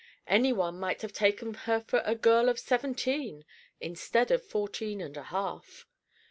Any one might have taken her for a girl of seventeen, instead of fourteen and a half.